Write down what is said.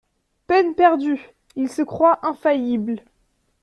Peine perdue ! Il se croit infaillible.